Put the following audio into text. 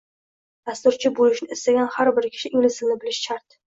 Dasturchi bo’lishni istagan har bir kishi ingliz tilini bilishi shart